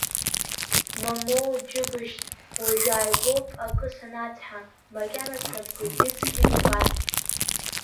Мамоу џьыбышьҭ, уажәааигәоуп акы санацҳа, макьана снапқәагьы цқьа имбацт!